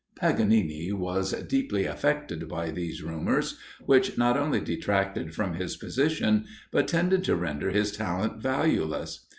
Paganini was deeply affected by these rumours, which not only detracted from his position, but tended to render his talent valueless.